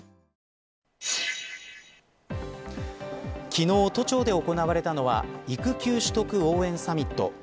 昨日、都庁で行われたのは育休取得応援サミット。